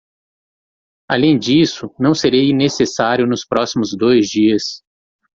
Além disso, não serei necessário nos próximos dois dias.